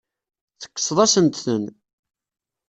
Tekkseḍ-asent-ten.